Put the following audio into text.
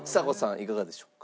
いかがでしょうか？